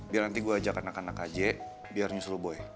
biar nanti gue ajak anak anak aja biar nyusul boy